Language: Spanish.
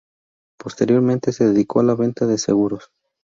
Posteriormente, se dedicó a la venta de seguros.